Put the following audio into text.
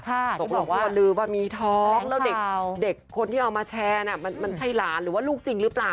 บอกว่าลืมว่ามีท้องแล้วเด็กคนที่เอามาแชร์มันใช่หลานหรือว่าลูกจริงหรือเปล่า